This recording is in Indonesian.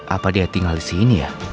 apa dia tinggal di sini ya